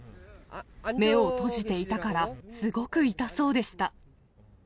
目を閉じていたから、すごく痛そうでした。